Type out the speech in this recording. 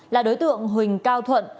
là đối tượng huỳnh cao thuận